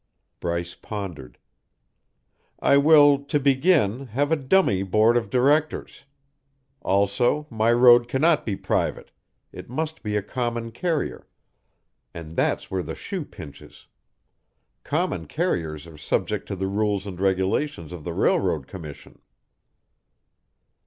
Bryce pondered. "I will, to begin, have a dummy board of directors. Also, my road cannot be private; it must be a common carrier, and that's where the shoe pinches. Common carriers are subject to the rules and regulations of the Railroad Commission."